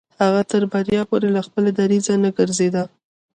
هغه تر بريا پورې له خپل دريځه نه ګرځېده.